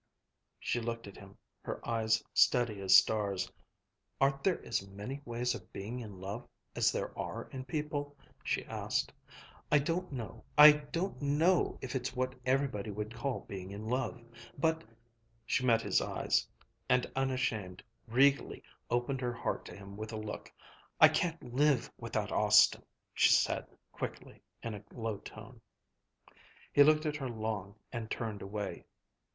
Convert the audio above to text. She looked at him, her eyes steady as stars. "Aren't there as many ways of being in love, as there are people?" she asked. "I don't know I don't know if it's what everybody would call being in love but " She met his eyes, and unashamed, regally, opened her heart to him with a look. "I can't live without Austin," she said quickly, in a low tone. He looked at her long, and turned away.